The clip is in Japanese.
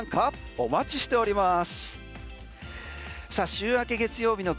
お待ちしております。